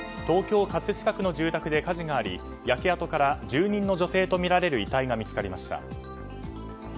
東京・葛飾区の住宅で火事があり焼け跡から住人の女性とみられる遺体が見つかりました。